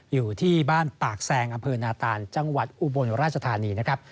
อยู่ที่บ้านปากแซงอำเภอนาตานจังหวัดอุบลราชธานีนะครับ